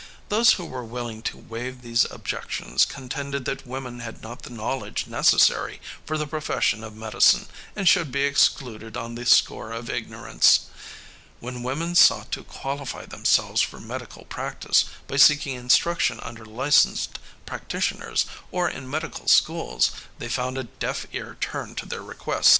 Those who were willing to waive these objections contended that women had not the knowledge necessary for the profession of medicine and should be excluded on the score of ignorance. When women sought to qualify themselves for medical practice by seeking instruction under licenced practitioners or in medical schools, they found a deaf ear turned to their requests.